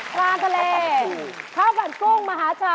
แพงกว่า